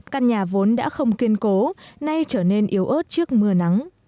căn nhà vốn đã không kiên cố nay trở nên yếu ớt trước mưa nắng